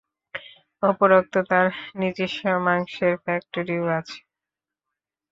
উপরন্তু, তার নিজস্ব মাংসের ফ্যাক্টরিও আছে।